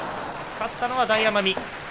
勝ったのは大奄美。